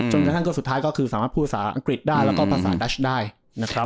จนกระทั่งก็สุดท้ายก็คือสามารถพูดภาษาอังกฤษได้แล้วก็ภาษาดัชได้นะครับ